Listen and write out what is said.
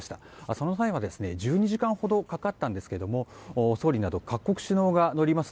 その際は１２時間ほどかかったんですが総理など各国首脳が乗ります